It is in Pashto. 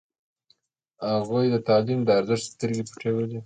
هغوی د تعلیم د ارزښت سترګې پټولې.